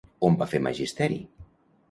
On va fer magisteri?